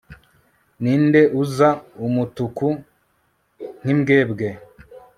ninde uza umutuku nkimbwebwe